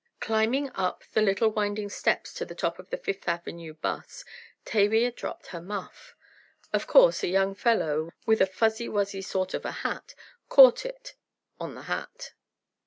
Climbing up the little winding steps to the top of the Fifth Avenue 'bus Tavia dropped her muff. Of course a young fellow, with a fuzzy wuzzy sort of a hat, caught it—on the hat.